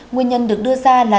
nguyên nhân được đưa ra là